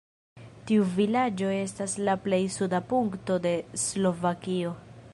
Tiu vilaĝo estas la plej suda punkto de Slovakio.